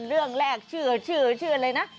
เรื่องแรกชื่อชื่ออะไรนะ